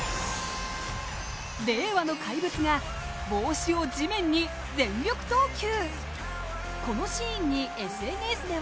令和の怪物が帽子を地面に全力投球。